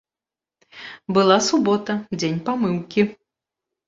Была субота, дзень памыўкі.